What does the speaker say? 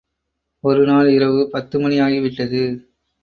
ஒரு நாள் இரவு பத்து மணி ஆகிவிட்டது.